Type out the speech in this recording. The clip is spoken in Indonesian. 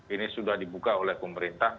ini sudah dibuka oleh pemerintah